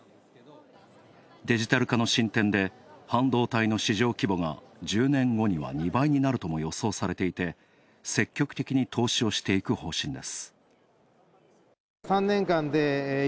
デジタル化の進展で半導体の市場規模が１０年後には２倍になるとも予想されていて、積極的に投資をしていく方針です。